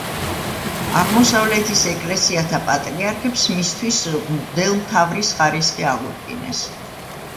აღმოსავლეთის ეკლესიათა პატრიარქებს მისთვის მღვდელმთავრის ხარისხი აღუდგინეს.